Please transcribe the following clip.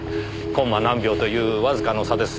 コンマ何秒というわずかの差です。